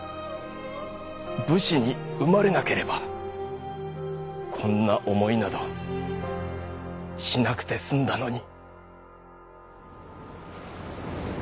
武士に生まれなければこんな思いなどしなくてすんだのに」。